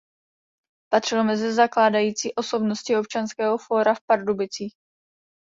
Patřil mezi zakládající osobnosti Občanského fóra v Pardubicích.